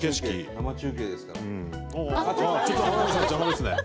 生中継ですから。